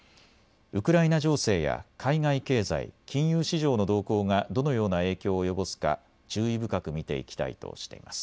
ウクライナ情勢や海外経済、金融市場の動向がどのような影響を及ぼすか注意深く見ていきたいとしています。